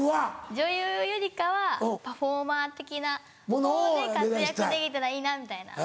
女優よりかはパフォーマー的なほうで活躍できたらいいなみたいな。